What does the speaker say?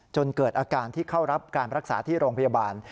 จนเกิดอาการที่เข้ารับการรักษาที่โรงพยาบาล